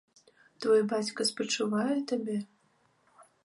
Твой бацька спачувае табе?